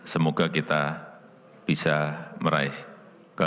semoga kita bisa meraih kekuatan